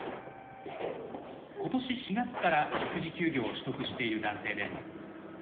今年４月から育児休業を取得している男性です。